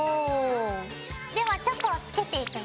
ではチョコをつけていくよ。